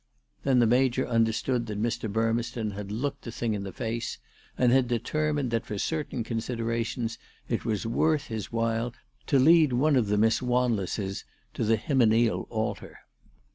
Then the Major understood that Mr. Burmeston had looked the thing in the face, and had determined that for certain considerations it was worth his while to lead one of the Miss Wanlesses to the hymeneal altar.